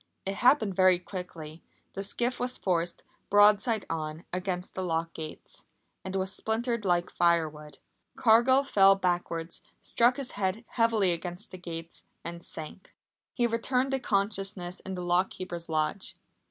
It happened very quickly. The skiff was forced, broadside on, against the lock gates, and was splintered like firewood. Cargill fell backwards, struck his head heavily against the gates and sank. He returned to consciousness in the lock keeper's lodge.